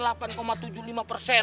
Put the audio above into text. ya beda timis